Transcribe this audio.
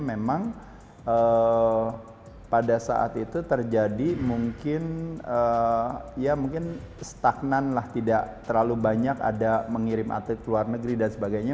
memang pada saat itu terjadi mungkin ya mungkin stagnan lah tidak terlalu banyak ada mengirim atlet ke luar negeri dan sebagainya